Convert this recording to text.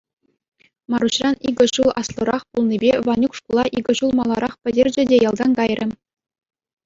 Маруҫран икӗ ҫул аслӑрах пулнипе Ванюк шкула икӗ ҫул маларах пӗтерчӗ те ялтан кайрӗ.